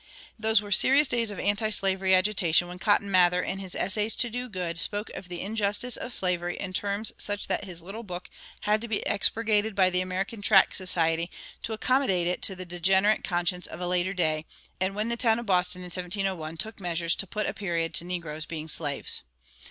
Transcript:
Those were serious days of antislavery agitation, when Cotton Mather, in his "Essays to Do Good," spoke of the injustice of slavery in terms such that his little book had to be expurgated by the American Tract Society to accommodate it to the degenerate conscience of a later day, and when the town of Boston in 1701 took measures "to put a period to negroes being slaves."